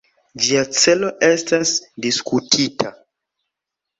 Ĝia celo estas diskutita.